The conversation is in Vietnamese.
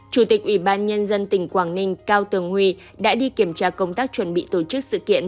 chủ tịch ủy ban nhân dân tỉnh quảng ninh cao tường huy đã đi kiểm tra công tác chuẩn bị tổ chức sự kiện